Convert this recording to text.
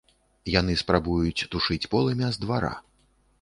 Яны спрабуюць тушыць полымя з двара.